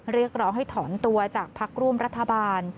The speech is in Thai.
เรียกร้องให้ถอนตัวจากพักร่วมรัฐบาล